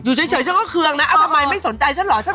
อยู่เฉยฉันก็เครื่องนะเอ้าทำไมไม่สนใจฉันเหรอ